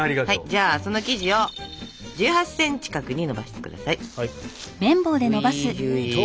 じゃあその生地を１８ｃｍ角にのばして下さい。